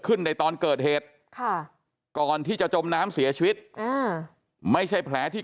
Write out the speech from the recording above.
ในตอนเกิดเหตุค่ะก่อนที่จะจมน้ำเสียชีวิตอ่าไม่ใช่แผลที่